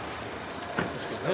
確かにね。